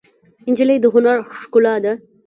نجلۍ د هنر ښکلا ده.